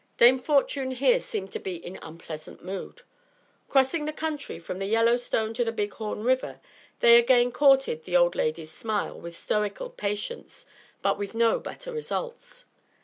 Dame Fortune here seemed to be in unpleasant mood. Crossing the country from the Yellow Stone to the Big Horn River, they again courted the old lady's smile with stoical patience, but with no better results.